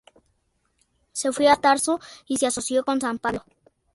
Se fue a Tarso y se asoció con San Pablo.